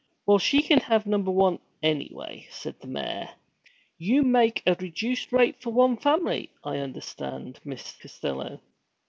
'Well, she can have number one, any way!' said the mayor. 'You make a rejooced rate for one family, I understand, Miss Costello?'